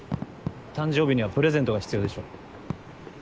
誕生日にはプレゼントが必要でしょ。